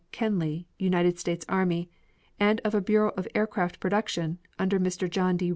Kenly, United States army, and of a Bureau of Aircraft Production, under Mr. John D.